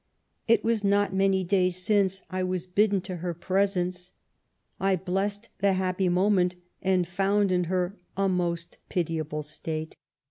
It was not many days since I was bidden to her presence. I blessed the happy moment, and found in her a most pitiable state.